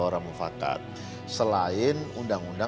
atau kesepakatan pasangan calon